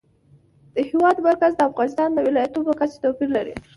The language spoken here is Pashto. د هېواد مرکز د افغانستان د ولایاتو په کچه توپیر لري.